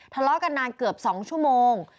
ทะเลาะกันนานเกือบ๒ชั่วโมง